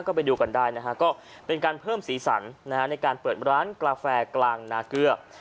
ก็ไปดูกันได้นะฮะก็เป็นการเพิ่มสีสันในการเปิดร้านกาแฟกลางนาเกลือ